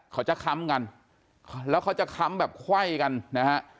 ค้ำกันแล้วเขาจะค้ำแบบไขว้กันนะฮะ